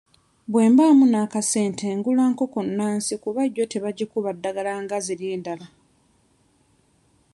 Bwe mbaamu n'akasente ngula nkoko nnansi kuba yo tebagikuba ddagala nga ziri endala.